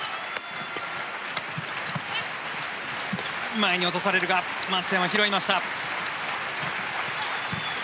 前に落とされるが松山、拾いました。